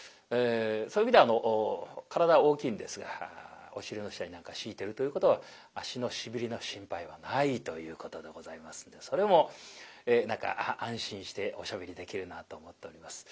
そういう意味では体大きいんですがお尻の下に何か敷いてるということは足のしびれの心配はないということでございますんでそれも何か安心しておしゃべりできるなと思っております。